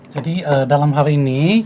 jadi dalam hal ini